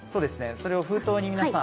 それを封筒に皆さん。